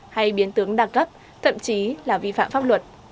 hay biến tướng đa cấp thậm chí là vi phạm pháp luật